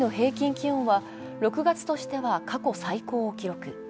気温は６月としては過去最高を記録。